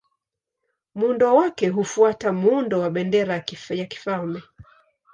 Muundo wake hufuata muundo wa bendera ya kifalme.